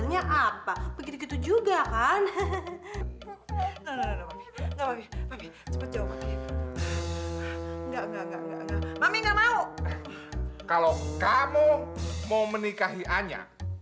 ya di sana di sana awaknya